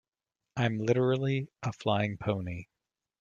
I'm literally a flying pony.